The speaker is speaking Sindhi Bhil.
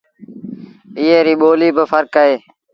ايئي ريٚ ٻوليٚ با ڦرڪ اهي